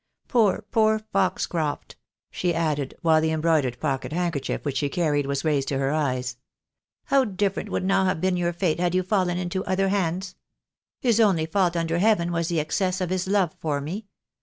" Poor, poor Foxcroft !" she added, while the embroidered pocket handkerchief which she carried was raised to her eyes ;" how different would now have been your fate had you fallen into other hands. His only fault under heaven was the excess of his love for me.